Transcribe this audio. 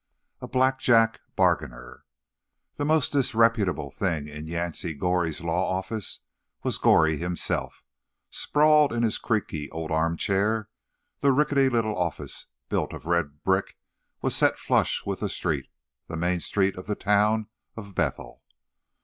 XV A BLACKJACK BARGAINER The most disreputable thing in Yancey Goree's law office was Goree himself, sprawled in his creaky old arm chair. The rickety little office, built of red brick, was set flush with the street—the main street of the town of Bethel.